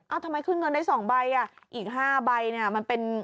เอาทำไมขึ้นเงินได้๒ใบอ่ะอีก๕ใบเนี่ยมันเป็น